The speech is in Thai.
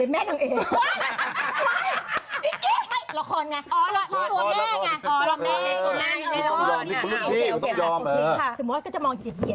ในการที่แบบว่าเราจะต้องแบบมองเขา